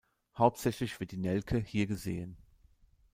Hauptsächlich wird die Nelke hier gesehen.